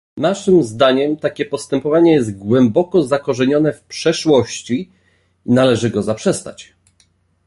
Naszym zdaniem takie postępowanie jest głęboko zakorzenione w przeszłości i należy go zaprzestać